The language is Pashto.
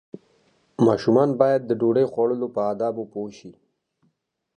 ماشومان باید د ډوډۍ خوړلو په آدابو پوه شي.